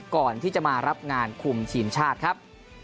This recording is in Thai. ก่อนที่จะมารับงานคุมทีมชาติครับ